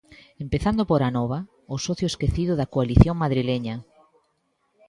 Empezando por Anova, o socio esquecido da coalición madrileña.